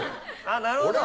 あっなるほど。